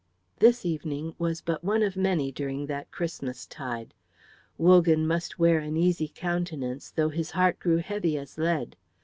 This evening was but one of many during that Christmastide. Wogan must wear an easy countenance, though his heart grew heavy as lead.